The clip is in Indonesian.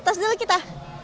terus dulu kita